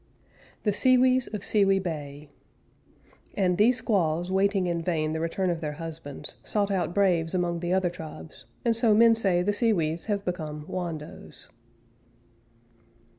THE SEWEES OF SEWEE BAY _"And these squaws, waiting in vain the return of their husbands, sought out braves among the other tribes, and so men say the Sewees have become Wandos."